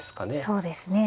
そうですね。